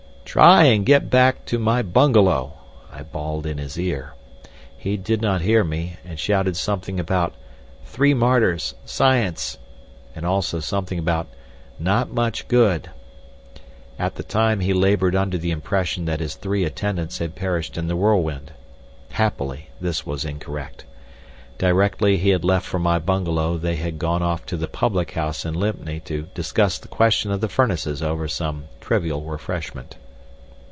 "Try and get back—to my bungalow," I bawled in his ear. He did not hear me, and shouted something about "three martyrs—science," and also something about "not much good." At the time he laboured under the impression that his three attendants had perished in the whirlwind. Happily this was incorrect. Directly he had left for my bungalow they had gone off to the public house in Lympne to discuss the question of the furnaces over some trivial refreshment.